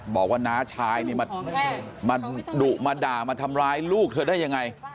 บอกว่าน้าชายนี่มาดุมาด่ามาทำร้ายลูกเธอได้ยังไง